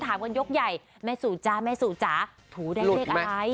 ถามกันยกใหญ่แม่สู่จ๊ะแม่สู่จ๋าถูได้เลขอะไร